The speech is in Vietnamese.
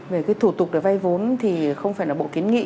về cái thủ tục để vay vốn thì không phải là bộ kiến nghị